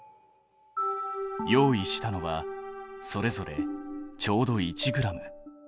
用意したのはそれぞれちょうど１ｇ。